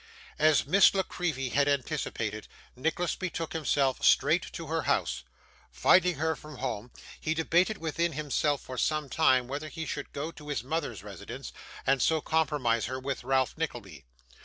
As Miss La Creevy had anticipated, Nicholas betook himself straight to her house. Finding her from home, he debated within himself for some time whether he should go to his mother's residence, and so compromise her with Ralph Nickleby.